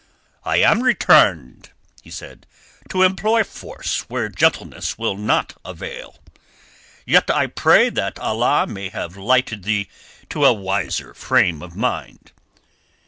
"I am returned," he said, "to employ force where gentleness will not avail. Yet I pray that Allah may have lighted thee to a wiser frame of mind."